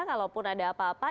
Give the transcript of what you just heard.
kalaupun ada apa apa